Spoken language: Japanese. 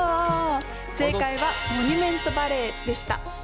正解は「モニュメントバレー」でした。